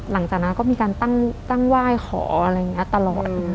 หลังจากนั้นก็มีการตั้งไหว้ขออะไรอย่างนี้ตลอด